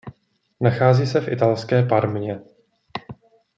Nachází se v italské Parmě.